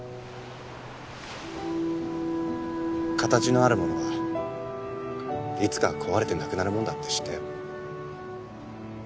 形のあるものはいつか壊れてなくなるもんだって知ったよ。